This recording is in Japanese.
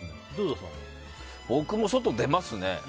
僕も外、出ますね。